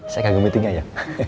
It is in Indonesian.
saya ke meetingnya ya